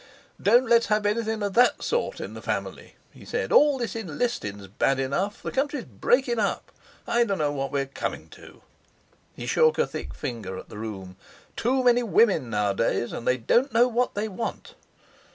"Don't let's have anything of that sort in the family," he said. "All this enlistin's bad enough. The country's breakin' up; I don't know what we're comin' to." He shook a thick finger at the room: "Too many women nowadays, and they don't know what they want."